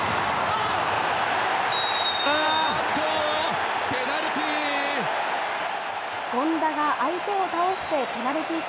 あっと、ペナルティー。